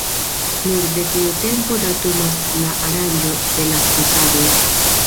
Nur de tiu tempo datumas la aranĝo de la fasadoj.